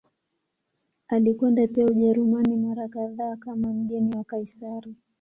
Alikwenda pia Ujerumani mara kadhaa kama mgeni wa Kaisari.